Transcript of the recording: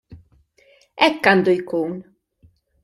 Hekk għandu jkun!